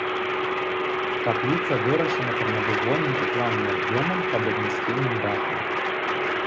Капліца вырашана прамавугольным у плане аб'ёмам пад аднасхільным дахам.